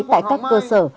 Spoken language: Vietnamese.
tại các cơ sở